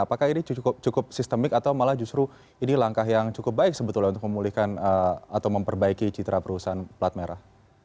apakah ini cukup sistemik atau malah justru ini langkah yang cukup baik sebetulnya untuk memulihkan atau memperbaiki citra perusahaan plat merah